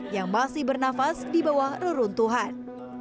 yang masih bernafas di bawah reruntuhan